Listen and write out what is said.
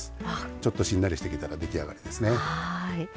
ちょっとしんなりしてきたら出来上がりですね。